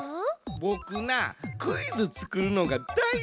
ボクなクイズつくるのがだいすきやねん。